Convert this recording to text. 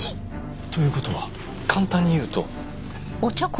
という事は簡単に言うと。